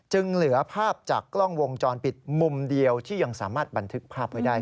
เหลือภาพจากกล้องวงจรปิดมุมเดียวที่ยังสามารถบันทึกภาพไว้ได้